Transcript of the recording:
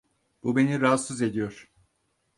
Bu beni rahatsız ediyor.